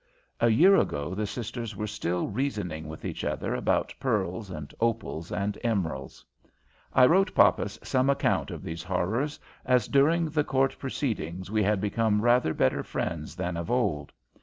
A year ago the sisters were still reasoning with each other about pearls and opals and emeralds. I wrote Poppas some account of these horrors, as during the court proceedings we had become rather better friends than of old.